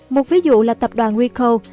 một ví dụ là tập đoàn ricoh